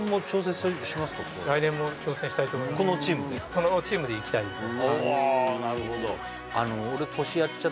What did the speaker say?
このチームでいきたいですね